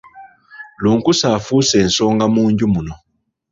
Lunkuse afuuse ensonga mu nju muno.